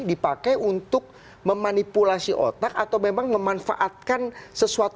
dipakai untuk memanipulasi otak atau memang memanfaatkan sesuatu